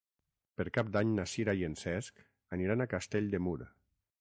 Per Cap d'Any na Sira i en Cesc aniran a Castell de Mur.